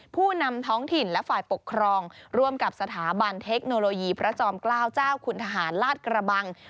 ผู้นำท้องถิ่นและฝ่ายปกครองร่วมกับสถาบันเทคโนโลยีพระจอมเกล้าเจ้าคุณทหารลาดกระบัง